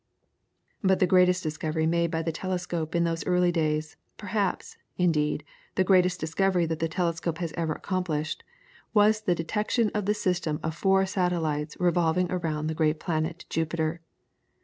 But the greatest discovery made by the telescope in these early days, perhaps, indeed, the greatest discovery that the telescope has ever accomplished, was the detection of the system of four satellites revolving around the great planet Jupiter.